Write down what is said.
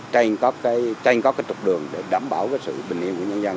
trên có cái trục đường để đảm bảo sự bình yên của nhân dân